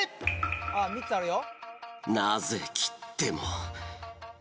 あっ３つあるよ。